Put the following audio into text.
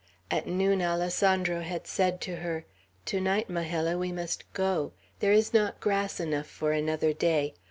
At noon Alessandro had said to her: "To night, Majella, we must go. There is not grass enough for another day.